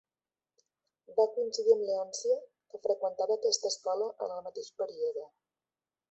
Va coincidir amb Leòncia, que freqüentava aquesta escola en el mateix període.